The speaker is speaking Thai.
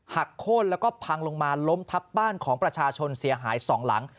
โค้นแล้วก็พังลงมาล้มทับบ้านของประชาชนเสียหายสองหลัง